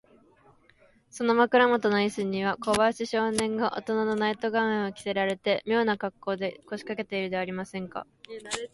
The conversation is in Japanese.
その枕もとのイスには、小林少年がおとなのナイト・ガウンを着せられて、みょうなかっこうで、こしかけているではありませんか。